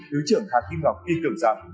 thứ trưởng hà kim ngọc kỳ tưởng rằng